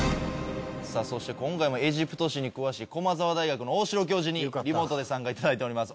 さあそして今回もエジプト史に詳しい駒澤大学の大城教授にリモートで参加いただいております。